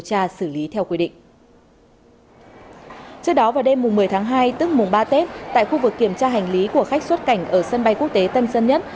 trước đó vào đêm một mươi tháng hai tức mùng ba tết tại khu vực kiểm tra hành lý của khách xuất cảnh ở sân bay quốc tế tân sơn nhất